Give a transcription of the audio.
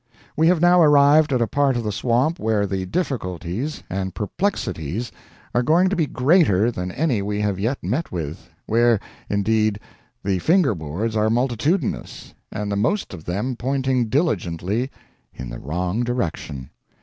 We have now arrived at a part of the swamp where the difficulties and perplexities are going to be greater than any we have yet met with where, indeed, the finger boards are multitudinous, and the most of them pointing diligently in the wrong direction.